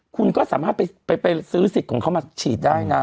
คุณก็สามารถไปซื้อสิทธิ์ของเขามาฉีดได้นะ